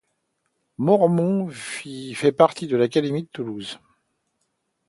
Mauremont fait partie de l'académie de Toulouse.